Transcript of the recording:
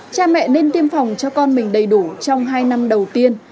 cha mẹ nên tiêm phòng cho con mình đầy đủ trong hai năm đầu tiên